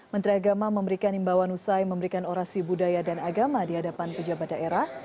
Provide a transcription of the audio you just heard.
menteri agama memberikan imbauan usai memberikan orasi budaya dan agama di hadapan pejabat daerah